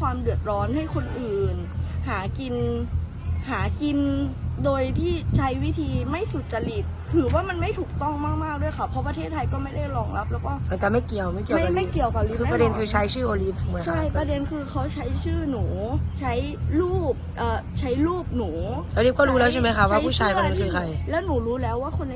ความเดือดร้อนให้คนอื่นหากินหากินโดยที่ใช้วิธีไม่สุจริตถือว่ามันไม่ถูกต้องมากมากด้วยค่ะเพราะประเทศไทยก็ไม่ได้รองรับแล้วก็อาจจะไม่เกี่ยวไม่เกี่ยวไม่ไม่เกี่ยวกับลิฟต์ประเด็นคือใช้ชื่อโอลิฟต์เหมือนใช่ประเด็นคือเขาใช้ชื่อหนูใช้รูปเอ่อใช้รูปหนูอันนี้ก็รู้แล้วใช่ไหมคะว่าผู้ชายคนนั้นคือใครแล้วหนูรู้แล้วว่าคนใน